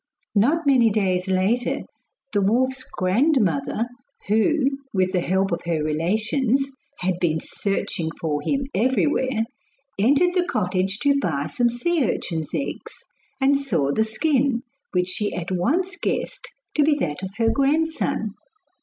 Not many days later the wolf's grandmother, who, with the help of her relations, had been searching for him everywhere, entered the cottage to buy some sea urchins' eggs, and saw the skin, which she at once guessed to be that of her grandson.